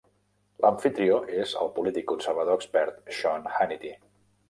L'amfitrió és el polític conservador expert Sean Hannity.